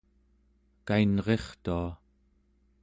kainrirtua